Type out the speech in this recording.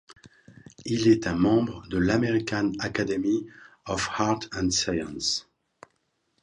Il est un membre de l'American Academy of Arts and Sciences.